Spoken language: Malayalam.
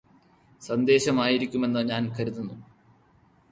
സന്ദേശമായിരിക്കുമെന്ന് ഞാന് കരുതുന്നു